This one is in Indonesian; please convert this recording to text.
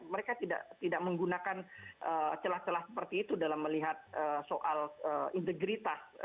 mereka tidak menggunakan celah celah seperti itu dalam melihat soal integritas